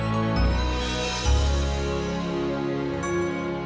mama sudah meninggal